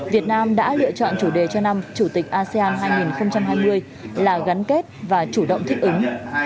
việt nam đã lựa chọn chủ đề cho năm chủ tịch asean hai nghìn hai mươi là gắn kết và chủ động thích ứng